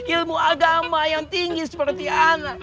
ilmu agama yang tinggi seperti anak